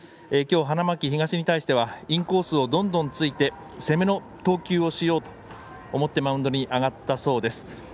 きょう花巻東に対してはインコースをどんどんついて攻めの投球をしようと思ってマウンドに上がったそうです。